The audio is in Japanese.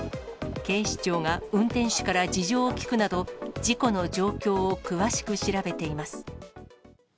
警視庁が運転手から事情を聴くなど、事故の状況を詳しく調べています。